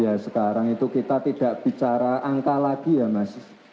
ya sekarang itu kita tidak bicara angka lagi ya mas